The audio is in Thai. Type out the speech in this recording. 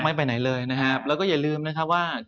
ไม่ไปไหนเลยและอย่าลืมว่า